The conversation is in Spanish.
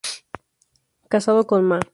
Casado con Ma.